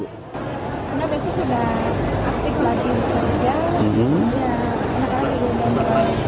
karena besok sudah aktif lagi kerja